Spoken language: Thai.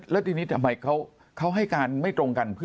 แล้วทีนี้ทำไมเขาให้การไม่ตรงกัน